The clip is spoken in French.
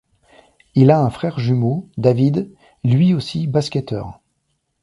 Il a un frère jumeau, David, lui aussi basketteur.